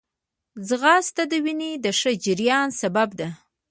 ځغاسته د وینې د ښه جریان سبب ده